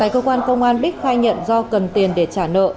tại cơ quan công an bích khai nhận do cần tiền để trả nợ